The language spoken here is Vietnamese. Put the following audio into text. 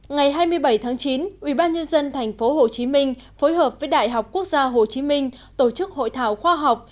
ngày hai mươi bảy tháng chín ubnd tp hcm phối hợp với đại học quốc gia hồ chí minh tổ chức hội thảo khoa học